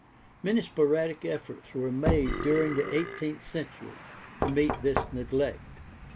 Many sporadic efforts were made during the eighteenth cen tury to meet this neglect.